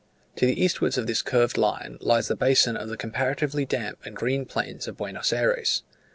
To the eastward of this curved line lies the basin of the comparatively damp and green plains of Buenos Ayres.